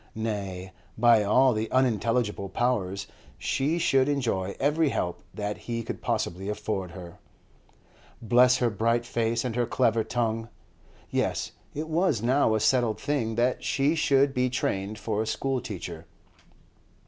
Nay, by all the unintelligible Powers, she should enjoy every help that he could possibly afford her. Bless her bright face and her clever tongue! Yes, it was now a settled thing that she should be trained for a schoolteacher.